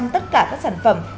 tất cả các sản phẩm